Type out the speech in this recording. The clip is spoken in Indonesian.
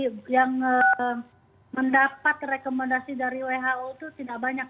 yang mendapat rekomendasi dari who itu tidak banyak